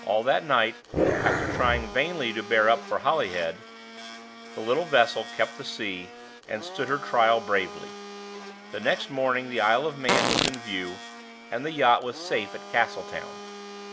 All that night, after trying vainly to bear up for Holyhead, the little vessel kept the sea, and stood her trial bravely. The next morning the Isle of Man was in view, and the yacht was safe at Castletown.